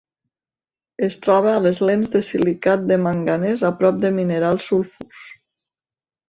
Es troba a les lents de silicat de manganès a prop de minerals sulfurs.